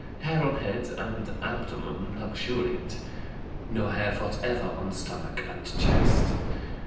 Hair on head and abdomen luxuriant. No hair whatever on stomach and chest.